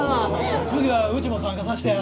次はうちも参加さしてや！